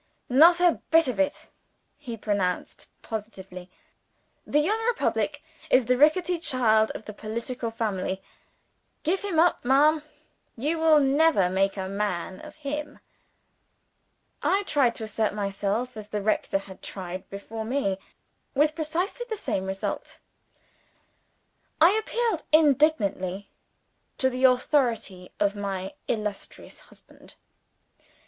"Not a bit of it!" he pronounced positively. "The 'young Republic' is the ricketty child of the political family. Give him up, ma'am. You will never make a man of him." I tried to assert myself as the rector had tried before me with precisely the same result. I appealed indignantly to the authority of my illustrious husband.